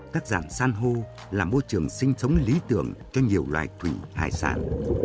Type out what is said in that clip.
các dạng san hô là môi trường sinh sống lý tưởng cho nhiều loài thủy hải sản